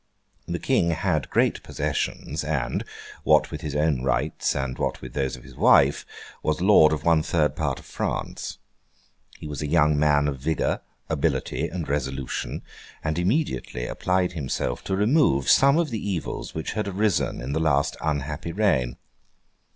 The King had great possessions, and (what with his own rights, and what with those of his wife) was lord of one third part of France. He was a young man of vigour, ability, and resolution, and immediately applied himself to remove some of the evils which had arisen in the last unhappy reign.